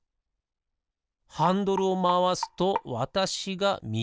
ハンドルをまわすとわたしがみぎへひだりへ。